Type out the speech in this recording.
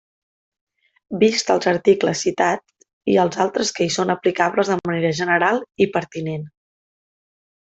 Vists els articles citats i els altres que hi són aplicables de manera general i pertinent.